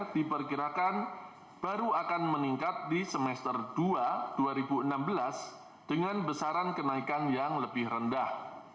diperkirakan baru akan meningkat di semester dua dua ribu enam belas dengan besaran kenaikan yang lebih rendah